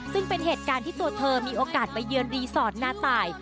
ซึ่งเป็นเหตุการณ์ที่ตัวเธอมีโอกาสไปเยือนรีสอร์ทนาตาย